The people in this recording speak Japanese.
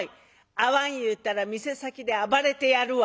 「会わん言うたら店先で暴れてやるわ」。